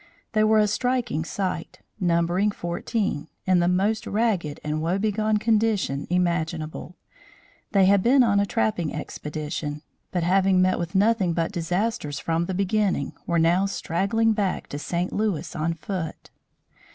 They were a striking sight, numbering fourteen, in the most ragged and woebegone condition imaginable. They had been on a trapping expedition, but having met with nothing but disasters from the beginning, were now straggling back to St. Louis on foot.